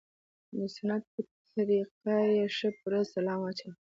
د سنت په طريقه يې ښه پوره سلام واچاوه.